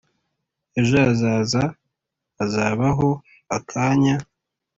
ejo hazaza hazabaho akanya,